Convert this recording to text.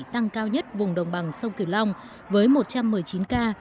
tăng cao nhất vùng đồng bằng sông kiều long với một trăm một mươi chín ca